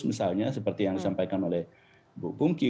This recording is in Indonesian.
misalnya seperti yang disampaikan oleh bu pungki